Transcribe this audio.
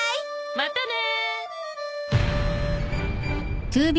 またね！